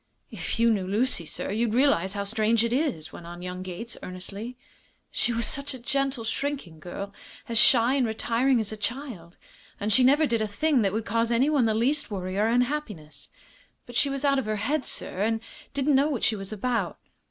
"If you knew Lucy, sir, you'd realize how strange it is," went on young Gates, earnestly. "She was such a gentle, shrinking girl, as shy and retiring as a child. And she never did a thing that would cause anyone the least worry or unhappiness. But she was out of her head, sir, and didn't know what she was about.